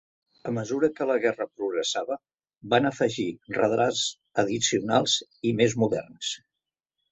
A mesura que la guerra progressava van afegir radars addicional i més moderns.